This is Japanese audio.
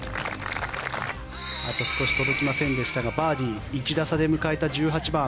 あと一つ届きませんでしたがバーディー１打差で迎えた１８番。